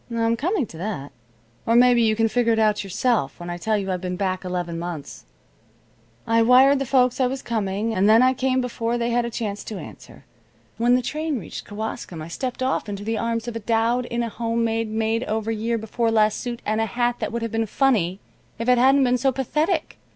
"I'm coming to that. Or maybe you can figure it out yourself when I tell you I've been back eleven months. I wired the folks I was coming, and then I came before they had a chance to answer. When the train reached Kewaskum I stepped off into the arms of a dowd in a home made made over year before last suit, and a hat that would have been funny if it hadn't been so pathetic.